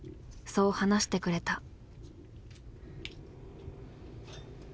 そう話してくれた。